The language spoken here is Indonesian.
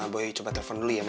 boy coba telpon dulu ya mama